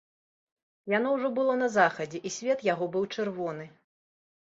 Яно ўжо было на захадзе, і свет яго быў чырвоны.